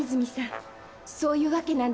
そういうわけなんです。